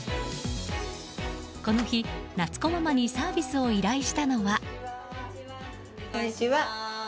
この日、なつこママにサービスを依頼したのは。